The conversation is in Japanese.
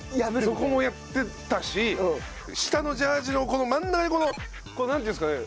そこもやってたし下のジャージのこの真ん中にこのなんていうんですかね？